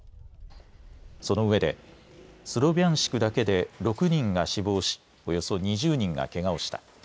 そのうえでスロビャンシクだけで６人が死亡し、およそ２０人がけがをした。